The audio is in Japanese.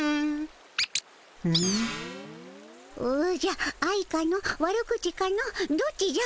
おじゃ愛かの悪口かのどっちじゃ？